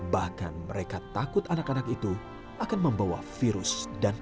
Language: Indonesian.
bahkan mereka takut anak anak itu akan membawa virus dan penyakit